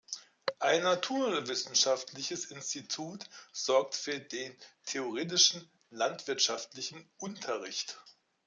Ein naturwissenschaftliches Institut sorgt für den theoretischen landwirtschaftlichen Unterricht.